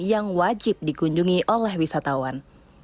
yang wajib dikunjungi oleh wisatawan